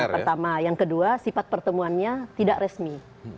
pertama yang kedua sifat pertemuannya tidak resmi